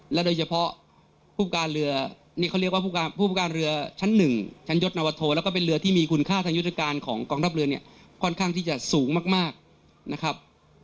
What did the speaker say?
โดยเฉพาะผู้การเรือนี่เขาเรียกว่าผู้ประการเรือชั้น๑ชั้นยศนวโทแล้วก็เป็นเรือที่มีคุณค่าทางยุทธการของกองทัพเรือเนี่ยค่อนข้างที่จะสูงมากนะครับ